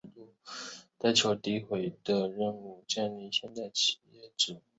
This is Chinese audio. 日本的隼鸟号太空船过去亦在执行收集小行星尘土的样本带回地球的任务。